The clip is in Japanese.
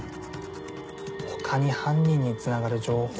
他に犯人につながる情報。